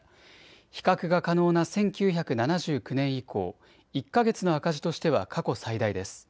比較が可能な１９７９年以降、１か月の赤字としては過去最大です。